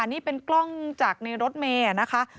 นี่เป็นกล้องจากในรถเมย์นะคะ